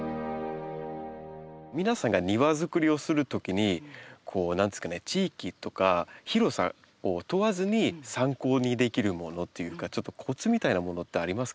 皆さんが庭づくりをするときに何ですかね地域とか広さを問わずに参考にできるものっていうかちょっとコツみたいなものってありますか？